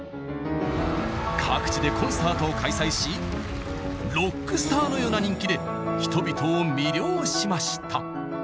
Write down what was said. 各地でコンサートを開催しロックスターのような人気で人々を魅了しました。